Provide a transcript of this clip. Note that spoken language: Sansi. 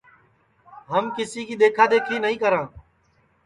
ہم کِسی کی دؔیکھا دؔیکھی نائی کراں